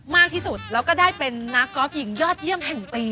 มากที่สุดแล้วก็ได้เป็นนักกอล์ฟหญิงยอดเยี่ยมแห่งปี